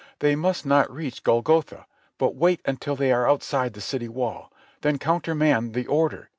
They must not reach Golgotha. But wait until they are outside the city wall. Then countermand the order.